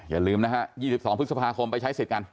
อย่าลืมนะฮะ๒๒พฤษภาคมไปใช้สิทธิ์กัน